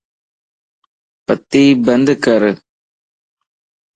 بتي بند ڪر